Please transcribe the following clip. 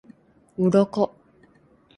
鱗